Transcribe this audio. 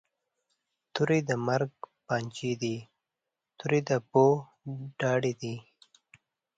توری د مرګ پنجی دي، توری د بو داړي دي